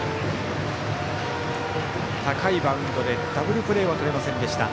高いバウンドでダブルプレーはとれませんでした。